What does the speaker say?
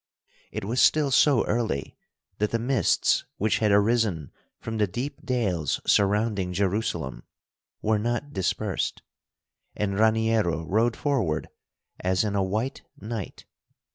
It was still so early that the mists which had arisen from the deep dales surrounding Jerusalem were not dispersed, and Raniero rode forward as in a white night.